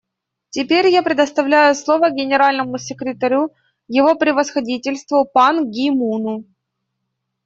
Теперь я предоставляю слово Генеральному секретарю Его Превосходительству Пан Ги Муну.